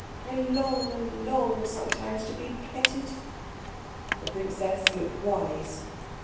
I long and long sometimes to be petted." The princess looked wise.